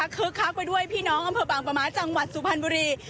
คักไปด้วยพี่น้องอำเภอบางประม้าจังหวัดสุพรรณบุรี